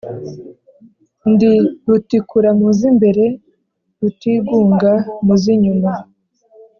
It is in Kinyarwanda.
Ndi rutikura mu z'imbere, rutigunga mu z'inyuma,